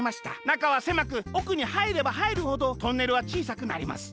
なかはせまくおくにはいればはいるほどトンネルはちいさくなります。